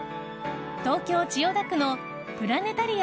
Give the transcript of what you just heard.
東京・千代田区のプラネタリア